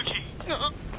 あっ！？